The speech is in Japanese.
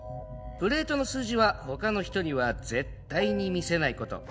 プレートの数字は他の人には絶対に見せない事。